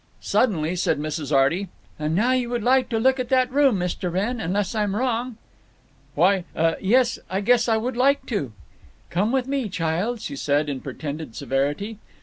Suddenly said Mrs. Arty, "And now you would like to look at that room, Mr. Wrenn, unless I'm wrong." "Why—uh—yes, I guess I would like to." "Come with me, child," she said, in pretended severity.